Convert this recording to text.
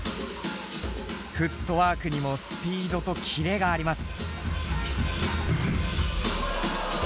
フットワークにもスピードとキレがあります。